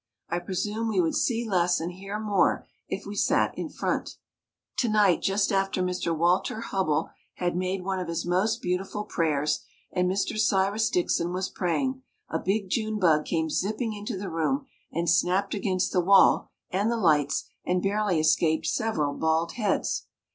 I presume we would see less and hear more if we sat in front. To night just after Mr. Walter Hubbell had made one of his most beautiful prayers and Mr. Cyrus Dixon was praying, a big June bug came zipping into the room and snapped against the wall and the lights and barely escaped several bald heads.